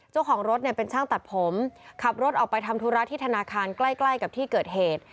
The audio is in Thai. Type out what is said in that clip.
เจ้าของรถเนี่ยเป็นช่างตัดผมขับรถออกไปทำธุระที่ธนาคารใกล้ใกล้กับที่เกิดเหตุ